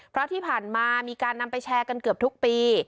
เพราะที่ผ่านมามีการนำไปแชร์กันเกือบทุกปี